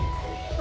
あ！